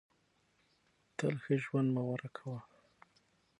تل ښه ژوند مه غوره کوه.